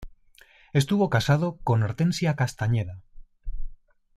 Estuvo casado con Hortensia Castañeda.